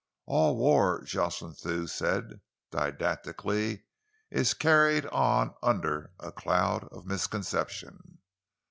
"All war," Jocelyn Thew said didactically, "is carried on under a cloud of misconception."